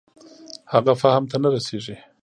هغه فهم ته نه رسېږي.